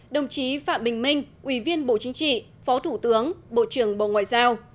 đồng chí phạm bình minh ủy viên bộ chính trị phó thủ tướng bộ trưởng bộ ngoại giao